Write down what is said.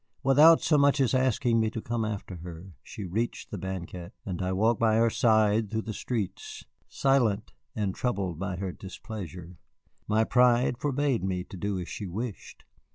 Without so much as asking me to come after her, she reached the banquette, and I walked by her side through the streets, silent and troubled by her displeasure. My pride forbade me to do as she wished.